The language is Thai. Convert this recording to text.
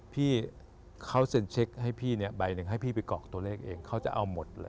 พี่เค้าช่วยเช็คให้พี่ใบนึงให้พี่ไปเกาะทั่วเลขเองเขาจะเอาหมดเลย